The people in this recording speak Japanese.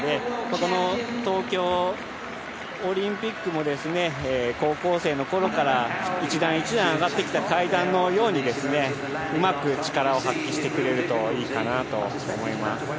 この東京オリンピックも高校生の頃から一段一段上がってきた階段のようにうまく力を発揮してくれるといいかなと思います。